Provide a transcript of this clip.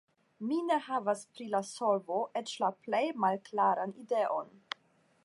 Mi ne havas pri la solvo eĉ la plej malklaran ideon.